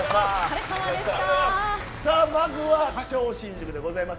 まずは超新塾でございます。